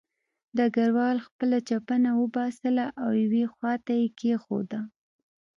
ډګروال خپله چپنه وباسله او یوې خوا ته یې کېښوده